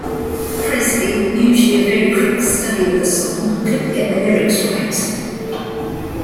Presley, usually a very quick study with a song, couldn't get the lyrics right.